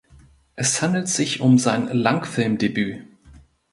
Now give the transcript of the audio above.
Es handelt sich um sein Langfilmdebüt.